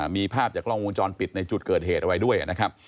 มีภาพจากกล้องวงจรปิดในจุดเกิดเหตุเอาไว้ด้วยนะครับ